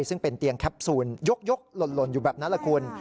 ซึ่งเป็นเตียงแคปซูลยกหล่นอยู่แบบนั้นแหละคุณ